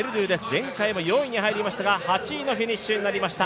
前回も４位に入りましたが８位でフィニッシュとなりました。